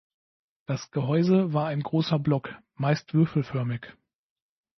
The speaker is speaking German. Das Gehäuse war ein großer Block, meist würfelförmig.